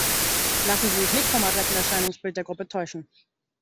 Lassen Sie sich nicht vom adretten Erscheinungsbild der Gruppe täuschen!